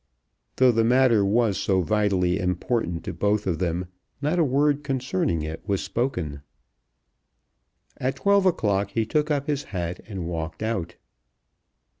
Though the matter was so vitally important to both of them, not a word concerning it was spoken. At twelve o'clock he took up his hat, and walked out.